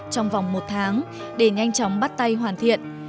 trong vòng một tháng để nhanh chóng bắt tay hoàn thiện